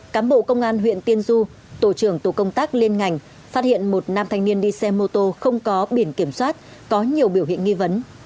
cám bộ công an huyện tiên du tổ trưởng tổ công tác liên ngành phát hiện một nam thanh niên đi xe mô tô không có biển kiểm soát có nhiều biểu hiện nghi vấn